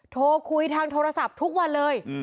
โทรคุยทางโทรศัพท์ทุกวันเลย